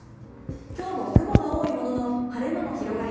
今日も雲が多いものの晴れ間も広がり